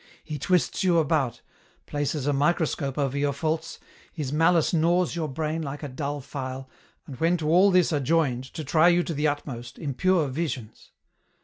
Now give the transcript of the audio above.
He twists you about, places a microscope over your faults, his malice gnaws your brain like a duU file, and when to all this are joined, to try you to the utmost, impure visions.